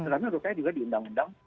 terutama juga di undang undang